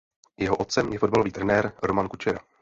Jeho otcem je fotbalový trenér Roman Kučera.